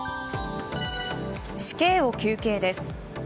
死刑を求刑です。